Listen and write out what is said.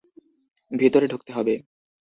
ভিতরে ঢুকতে হবে।